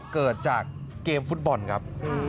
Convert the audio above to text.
เกิดจากเกมฟุตบอลครับ